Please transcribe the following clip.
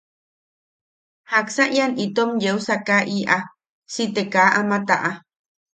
¿Jaksa ian itom yeu sakaaʼiʼa si te kaa ama taʼa?